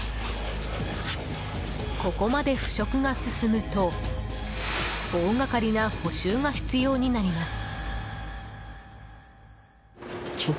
ここまで腐食が進むと大がかりな補修が必要になります。